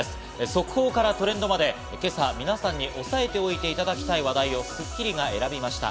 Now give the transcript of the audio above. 速報からトレンドまで今朝、皆さんにおさえておいていただきたい話題を『スッキリ』が選びました。